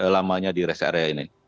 lamanya di rest area ini